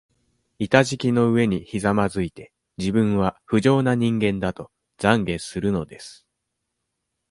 板敷きの上にひざまづいて、自分は、不浄な人間だと、懺悔するのです。